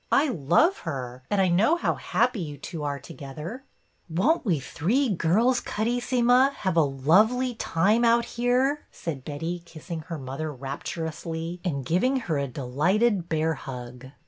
I love her, and I know how happy you two are together." '' Won't we three girls, Carissima, have a lovely time out here?" said Betty, kissing her mother rapturously, and giving her a delighted bear hug.